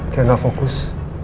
kayak gak fokus